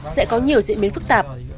sẽ có nhiều diễn biến phức tạp